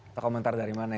atau komentar dari mana